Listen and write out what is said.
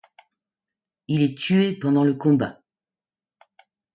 Il est tué pendant le combat.